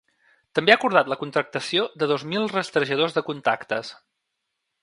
També ha acordat la contractació de dos mil rastrejadors de contactes.